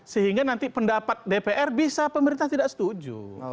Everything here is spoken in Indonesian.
sehingga nanti pendapat dpr bisa pemerintah tidak setuju